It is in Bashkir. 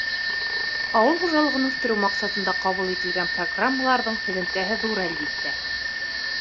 Ауыл хужалығын үҫтереү маҡсатында ҡабул ителгән программаларҙың һөҙөмтәһе ҙур, әлбиттә.